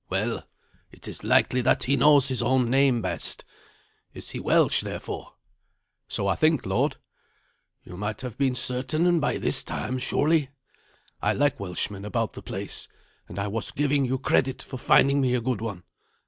Well, it is likely that he knows his own name best. Is he Welsh, therefore?" "So I think, lord." "You might have been certain by this time, surely. I like Welshmen about the place, and I was giving you credit for finding me a good one.